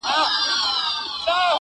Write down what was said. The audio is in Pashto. کوم عمل به مي دې خلکو ته په یاد وي؟٫